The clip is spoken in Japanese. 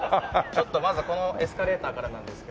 ちょっとまずこのエスカレーターからなんですけど。